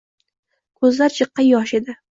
Ko‘zlar jiqqa yosh edi.